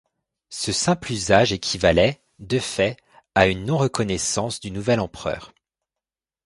Ce simple usage équivalait, de fait, à une non-reconnaissance du nouvel empereur.